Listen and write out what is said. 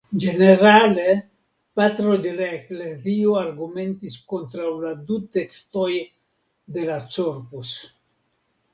Ĝenerale Patroj de la Eklezio argumentis kontraŭ la du tekstoj de la Corpus.